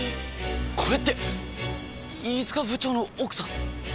これって飯塚部長の奥さん？